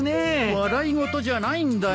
笑い事じゃないんだよ。